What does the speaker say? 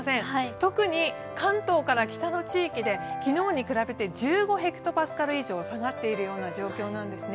特に関東から北の地域で昨日に比べて１５ｈＰａ以上下がっている状況なんですね。